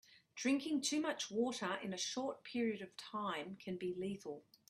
Drinking too much water in a short period of time can be lethal.